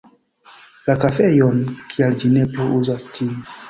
La fekejon. Kial ĝi ne plu uzas ĝin.